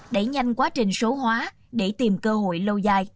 đẩy nhanh quá trình số hóa để tìm cơ hội lâu dài